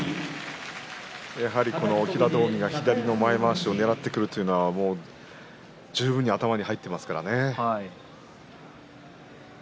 やはり平戸海が左の前まわしをねらってくるというのは十分に頭に入っていますからね。